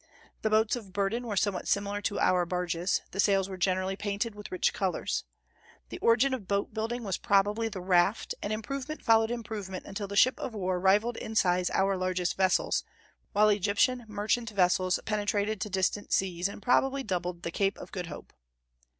The boats of burden were somewhat similar to our barges; the sails were generally painted with rich colors. The origin of boat building was probably the raft, and improvement followed improvement until the ship of war rivalled in size our largest vessels, while Egyptian merchant vessels penetrated to distant seas, and probably doubled the Cape of Good Hope.